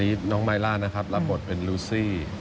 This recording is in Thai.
นี่น้องไมร่านะครับราบบทเป็นลูซี่